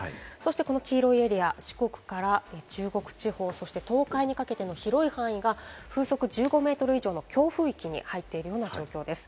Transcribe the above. この黄色いエリア、四国から中国地方、そして東海にかけての広い範囲が風速１５メートル以上の強風域に入っている状況です。